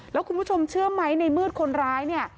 แล้วคุณผู้ชมเชื่อไหมในเมื่อคนร้ายเนี่ย